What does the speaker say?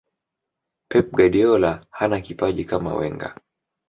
pep guardiola hana kipaji kama wenger